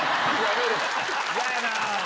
嫌やな！